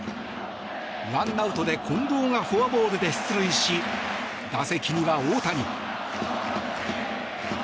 １アウトで近藤がフォアボールで出塁し打席には大谷。